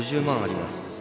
５０万あります